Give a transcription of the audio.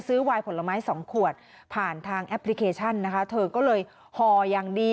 วายผลไม้สองขวดผ่านทางแอปพลิเคชันนะคะเธอก็เลยห่ออย่างดี